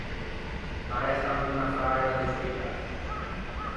M’arresta ancon un affare da destrigâ.